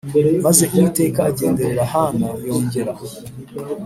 Maze Uwiteka agenderera Hana yongera